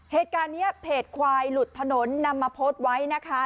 เหตุการณ์นี้เพจควายหลุดถนนนำมาโพสต์ไว้นะคะ